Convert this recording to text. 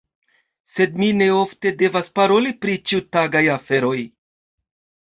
Sed mi ne ofte devas paroli pri ĉiutagaj aferoj.